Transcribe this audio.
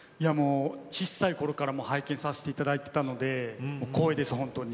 小さいころから拝見させていただいていたので光栄です、本当に。